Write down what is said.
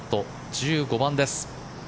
１５番です。